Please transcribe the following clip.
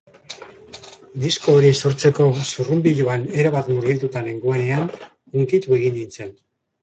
Disko hori sortzeko zurrunbiloan erabat murgilduta nengoenean, hunkitu egiten nintzen.